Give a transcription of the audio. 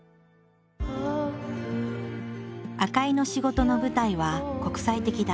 赤井の仕事の舞台は国際的だ。